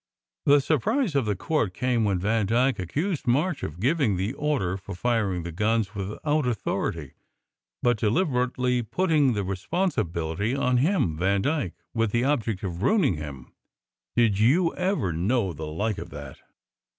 The surprise of the court came when Vandyke ac cused March of giving the order for firing the guns with out authority, but deliberately putting the responsibility on him Vandyke with the object of ruining him. Did you ever know the like of that?